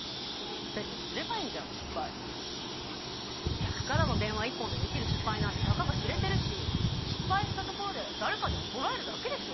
客からの電話一本でできる失敗なんてたかが知れてるし失敗したところで誰かに怒られるだけでしょ？